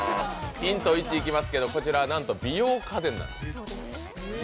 ヒント１いきますけど、こちらはなんと美容家電なんです。